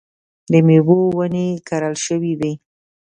د مېوو ونې کرل شوې وې.